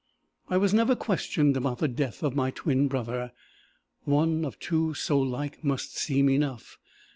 "I was never questioned about the death of my twin brother. One, of two so like, must seem enough.